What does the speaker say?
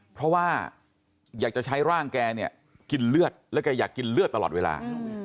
เพราะว่าอยากจะใช้ร่างแกเนี่ยกินเลือดแล้วแกอยากกินเลือดตลอดเวลา